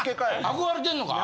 憧れてんのか？